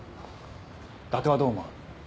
伊達はどう思う？